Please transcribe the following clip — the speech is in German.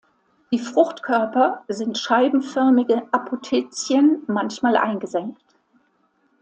Die Fruchtkörper sind scheibenförmige Apothecien, manchmal eingesenkt.